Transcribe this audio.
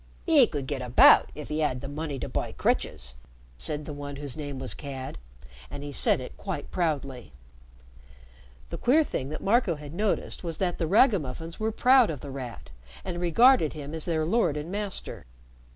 "'E could get about if 'e 'ad the money to buy crutches!" said one whose name was Cad, and he said it quite proudly. The queer thing that Marco had noticed was that the ragamuffins were proud of The Rat, and regarded him as their lord and master.